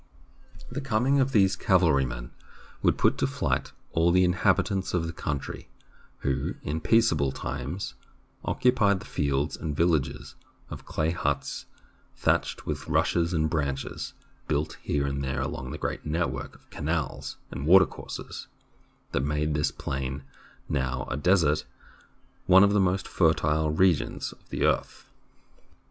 The coming of these cavalrymen would put to flight all the inhabitants of the country, who, in peaceable times, occupied the fields and villages of clay huts, thatched with rushes and branches, built here and there along the great network of canals and watercourses that made this plain, now a desert, one of the most fertile regions of the earth.